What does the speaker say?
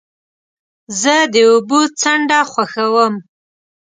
زه د اوبو څنډه خوښوم.